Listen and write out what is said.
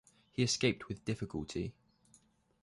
He escaped with difficulty.